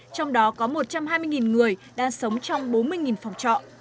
trong đó có một trăm hai mươi người đang sống trong bốn mươi phòng trọ